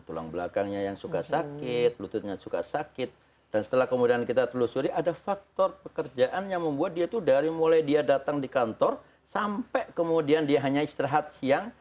tulang belakangnya yang suka sakit lututnya suka sakit dan setelah kemudian kita telusuri ada faktor pekerjaan yang membuat dia itu dari mulai dia datang di kantor sampai kemudian dia hanya istirahat siang